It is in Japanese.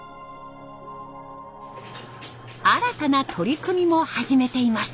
新たな取り組みも始めています。